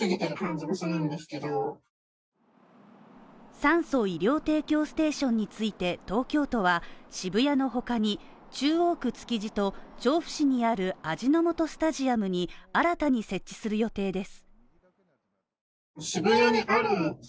酸素・医療提供ステーションについて東京都は渋谷のほかに中央区築地と調布市にある味の素スタジアムに新たに設置する予定です